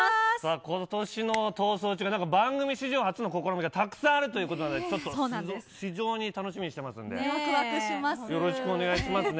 今年の「逃走中」が番組史上初の試みがたくさんあるということなので非常に楽しみにしてますのでよろしくお願いしますね。